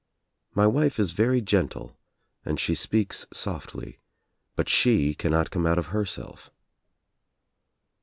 My wife is very gentle and she speaks softly tut she cannot come out of herself.